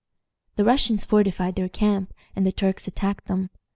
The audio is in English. The Russians fortified their camp, and the Turks attacked them.